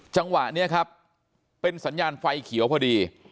จังหวะนี้ครับเป็นสัญญาณไฟเขียวพอดี